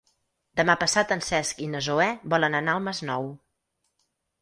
Demà passat en Cesc i na Zoè volen anar al Masnou.